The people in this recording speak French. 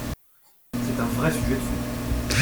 C’est un vrai sujet de fond.